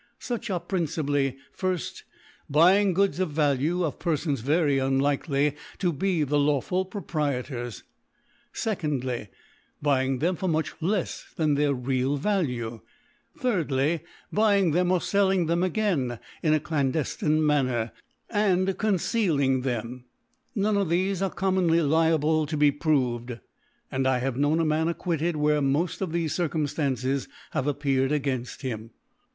Such are principally, i. Buying Goods of Value, of Perfons very unlikely to be the lawful Pro prietors. 2^(y, Buying them for much lefs than jhcir real Value. 3^/y, Buying them, or felling them again, in a clandeRine Man . ner, concealing them, i^c. None of thefe are commonly liable to be proved ; and I have known a Man acquitted, where mofl ( ti4) 6f tfade Circnmftaoces have appeared againft him.